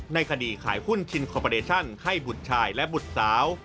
ในคดีขายหุ้นชินคอปเดชั่นให้บุตรชายและบุตรสาว